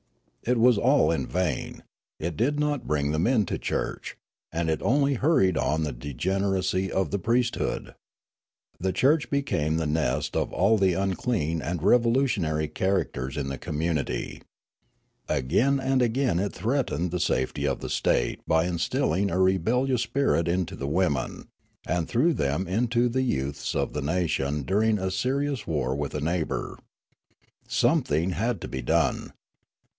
It was all in vain. It did not bring the men to church ; and it only hurried on the degeneracy of the priesthood. The church became the nest of all the unclean and revolutionary characters in the communit5^ Again and again it threatened the safet}' of the state by instilling a rebellious spirit into the women, and through them into the youths of the nation during a serious war with a neighbour. Some thing had to be done.